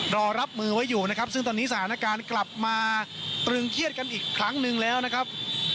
รอรับมือไว้อยู่นะครับซึ่งตอนนี้สถานการณ์กลับมาตรึงเครียดกันอีกครั้งหนึ่งแล้วนะครับ